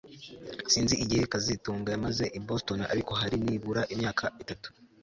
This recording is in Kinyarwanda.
Sinzi igihe kazitunga yamaze i Boston ariko hari nibura imyaka itatu